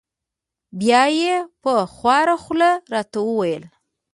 بیا یې په خواره خوله را ته و ویل: